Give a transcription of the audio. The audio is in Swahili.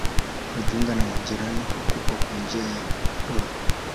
Alijiunga na majirani wakubwa kwa njia ya ndoa.